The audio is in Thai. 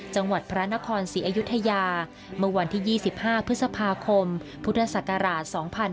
จังหวัดพระนครศรีอยุธยาเมื่อวันที่๒๕พฤษภาคมพุทธศักราช๒๕๕๙